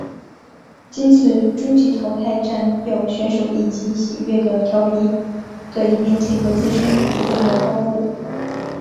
今次终极淘汰战要选手以喜悦和佻皮的一面配合自身有个性的猫步。